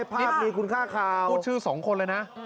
ภาพมีคุณค่าข่าวพูดชื่อสองคนเลยนะ